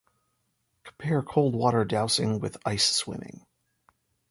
Compare cold water dousing with ice swimming.